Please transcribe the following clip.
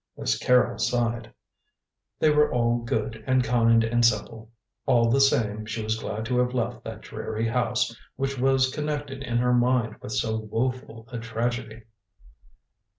Miss Carrol sighed. They were all good and kind and simple. All the same, she was glad to have left that dreary house, which was connected in her mind with so woeful a tragedy.